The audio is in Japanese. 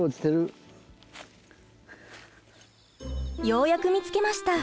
ようやく見つけました。